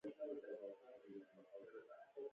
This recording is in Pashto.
دوکاندار د خلکو باور خپلوي.